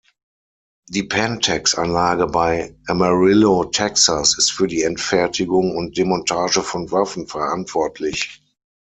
Die Pantex-Anlage bei Amarillo, Texas, ist für die Endfertigung und Demontage von Waffen verantwortlich.